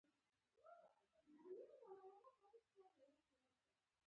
د یو څه تجربه کول کلکې پولې جوړولی شي